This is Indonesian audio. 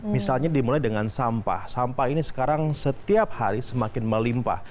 misalnya dimulai dengan sampah sampah ini sekarang setiap hari semakin melimpah